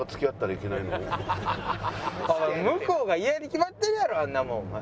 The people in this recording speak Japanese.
向こうがイヤに決まってるやろあんなもんお前。